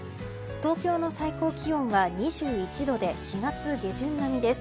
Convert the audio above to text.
東京の最高気温は２１度で４月下旬並みです。